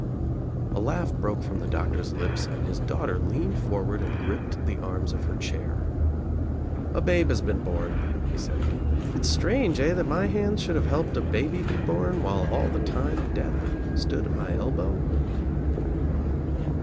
A laugh broke from the doctor's lips and his daugh r leaned forward and gripped the arms of her chair 9» TUB TRIUMPH OF THE EGG "A babe has been born," he said again. "It's strange eh, that my hands should have helped a baby be born while all the time death stood at my elbow?"